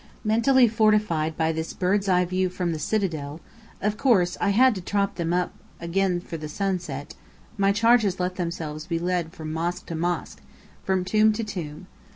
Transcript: Mentally fortified by this bird's eye view from the Citadel (of course, I had to trot them up again for the sunset), my charges let themselves be led from mosque to mosque, from tomb to tomb.